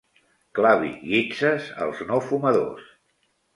Clavi guitzes als no fumadors.